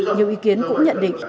nhiều ý kiến cũng nhận định